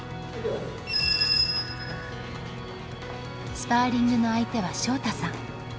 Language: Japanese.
スパーリングの相手は翔大さん。